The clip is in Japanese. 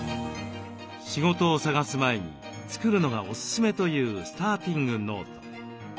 仕事を探す前に作るのがおすすめというスターティングノート。